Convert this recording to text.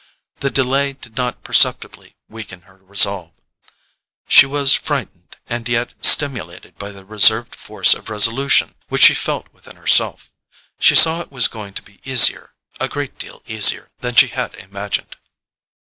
The delay did not perceptibly weaken her resolve. She was frightened and yet stimulated by the reserved force of resolution which she felt within herself: she saw it was going to be easier, a great deal easier, than she had imagined.